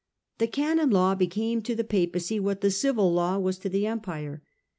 The Canon Law became to the Papacy what the Civil Law was to the Empire.